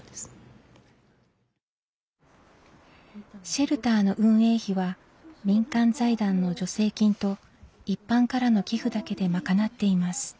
シェルターの運営費は民間財団の助成金と一般からの寄付だけで賄っています。